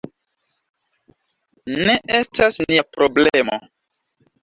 Ne estas nia problemo.